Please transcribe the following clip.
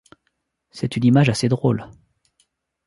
C’est une image assez drôle.